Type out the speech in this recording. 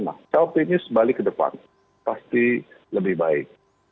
nah saat ini sebalik ke depan pasti lebih baik